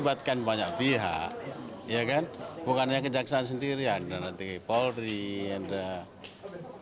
bisa bulan ini atau bulan depan atau tahun ini pak